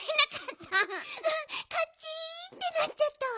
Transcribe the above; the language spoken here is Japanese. うんカチンってなっちゃったわ。